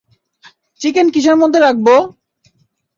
Chicken কীসের মধ্যে রাখবো?